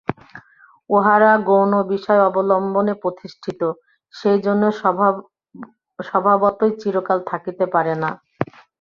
উহারা গৌণবিষয় অবলম্বনে প্রতিষ্ঠিত, সেজন্য স্বভাবতই চিরকাল থাকিতে পারে না।